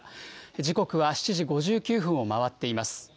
時刻は７時５９分を回っています。